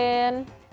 amin insya allah